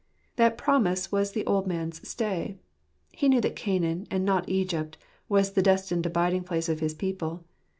That promise was the old man's stay. He knew that Canaan and not Egypt was the destined abiding place of his people.